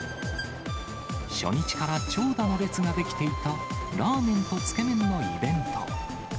初日から長蛇の列が出来ていたラーメンとつけ麺のイベント。